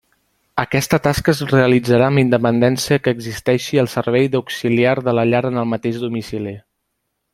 Aquesta tasca es realitzarà amb independència que existeixi el servei d'auxiliar de la llar en el mateix domicili.